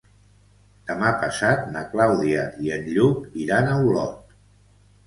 Demà passat na Clàudia i en Lluc iran a Olot.